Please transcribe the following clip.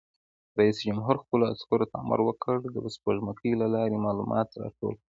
رئیس جمهور خپلو عسکرو ته امر وکړ؛ د سپوږمکۍ له لارې معلومات راټول کړئ!